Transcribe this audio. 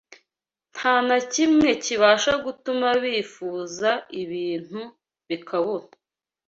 Nta na kimwe kibasha gutuma bifuza ibintu bikabura